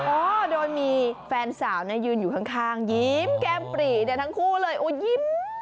โอ้โฮโดยมีแฟนสาวยืนอยู่ข้างยิ้มแก้มปรีทั้งคู่เลยโอ้ยยิ้ม